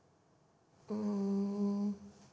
うん。